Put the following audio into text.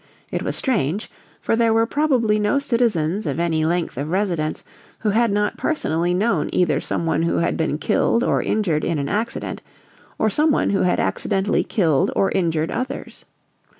It was strange, for there were probably no citizens of any length of residence who had not personally known either some one who had been killed or injured in an accident, or some one who had accidentally killed or injured others.